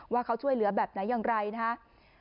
ว่าเขาช่วยเหลือแบบไหนอย่างไรนะครับ